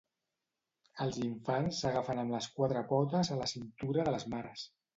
Els infants s'agafen amb les quatre potes a la cintura de les mares.